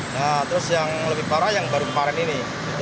nah terus yang lebih parah yang baru kemarin ini